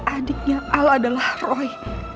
adiknya al adalah roy